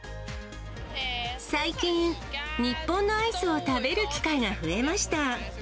最近、日本のアイスを食べる機会が増えました。